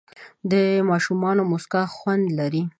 د ماشومانو موسکا خوند لري.